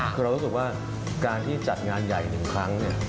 คือเรารู้สึกว่าการที่จัดงานใหญ่๑ครั้ง